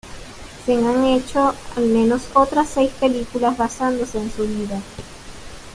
Se han hecho al menos otras seis películas basándose en su vida.